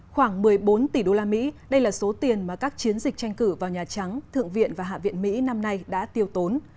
khoảng một mươi bốn tỷ đô la mỹ đây là số tiền mà các chiến dịch tranh cử vào nhà trắng thượng viện và hạ viện mỹ năm nay đã tiêu tốn